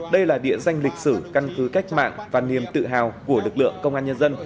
đây là địa danh lịch sử căn cứ cách mạng và niềm tự hào của lực lượng công an nhân dân